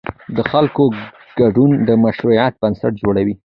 د خلکو ګډون د مشروعیت بنسټ جوړوي